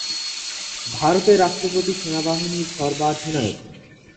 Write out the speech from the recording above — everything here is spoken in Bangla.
ভারতের রাষ্ট্রপতি সেনাবাহিনীর সর্বাধিনায়ক।